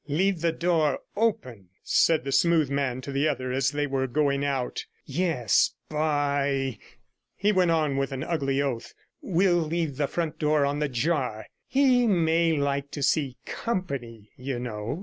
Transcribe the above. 'Leave the door open,' said the smooth man to the other, as they were going out. 'Yes, by ,' he went on with an ugly oath, 'we'll leave the front door on the jar. He may like to see company, you know.'